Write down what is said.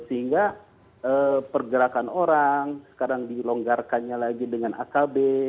sehingga pergerakan orang sekarang dilonggarkannya lagi dengan akb